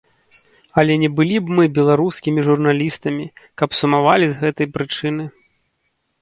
Але не былі б мы беларускімі журналістамі, каб сумавалі з гэтай прычыны.